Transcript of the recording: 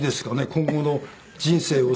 今後の人生を。